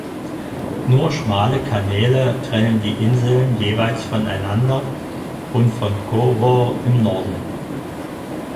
Nur schmale Kanäle trennen die Inseln jeweils von einander und von Koror im Norden.